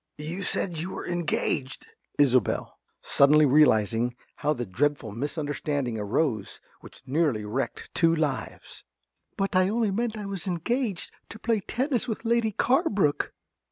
~ You said you were engaged! ~Isobel~ (suddenly realising how the dreadful misunderstanding arose which nearly wrecked two lives). But I only meant I was engaged to play tennis with Lady Carbrook!